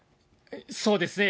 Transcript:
そうですね。